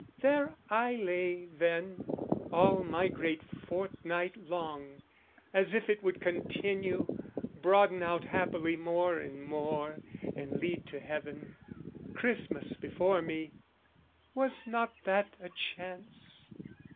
There I lay, then, all my great fortnight long, As if it would continue, broaden out Happily more and more, and lead to heaven: Christmas before me, was not that a chance?